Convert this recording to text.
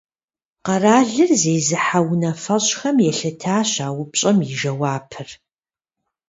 Къэралыр зезыхьэ унафэщӀхэм елъытащ а упщӀэм и жэуапыр.